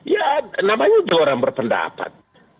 ya namanya juga orang berpendapat